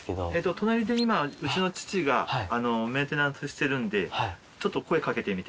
隣で今うちの父がメンテナンスしてるんでちょっと声かけてみてください。